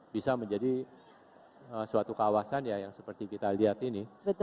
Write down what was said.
bisa menjadi suatu kawasan yang seperti kita lihat ini